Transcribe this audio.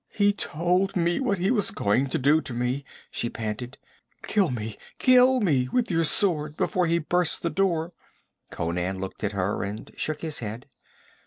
'He told me what he was going to do to me!' she panted. 'Kill me! Kill me with your sword before he bursts the door!' Conan looked at her, and shook his head.